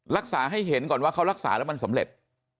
รักษาให้เห็นก่อนว่าเขารักษาแล้วมันสำเร็จ